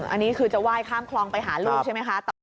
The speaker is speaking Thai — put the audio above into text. อันนี้คือจะไหว้ข้ามคลองไปหาลูกใช่ไหมคะ